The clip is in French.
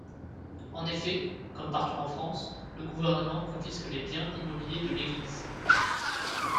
En effet, comme partout en France, le gouvernement confisque les biens immobiliers de l'Église.